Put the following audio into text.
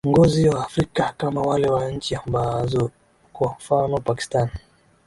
ngozi wa afrika kama wale wa nchi ambazo kwa mfano pakistan